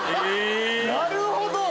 なるほど！